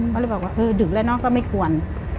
เขาเลยบอกว่าเออดึกแล้วน้องก็ไม่กวน